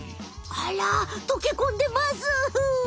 あらとけこんでます。